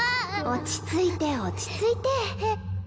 ・落ち着いて落ち着いてえっ？